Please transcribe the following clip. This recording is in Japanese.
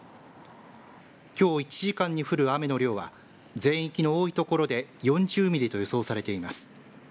きょう１時間に降る雨の量は全域の多いところで４０ミリと予想されています。